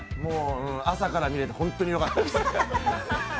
朝から見れて本当に良かったです。